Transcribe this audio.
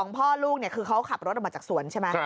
๒พ่อลูกเนี่ยคือเขาขับรถออกมาจากสวนใช่มะ